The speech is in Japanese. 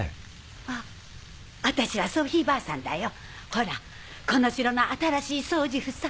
あっ私はソフィーばあさんだよほらこの城の新しい掃除婦さ。